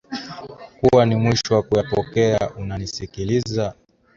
kuwa ni mwisho wa kuyapokea unanisikiliza